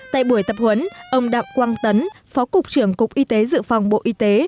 tại buổi tập huấn ông đặng quang tấn phó cục trưởng cục y tế dự phòng bộ y tế